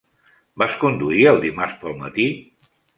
Vas conduir el dimarts pel matí?